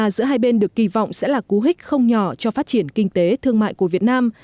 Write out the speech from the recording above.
giọng sẽ là cú hích không nhỏ cho phát triển kinh tế thương mại của việt nam